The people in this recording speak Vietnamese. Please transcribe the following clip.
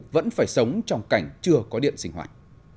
vẫn phải sống trong cảnh chưa có điện sinh hoạt